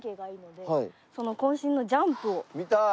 見たい！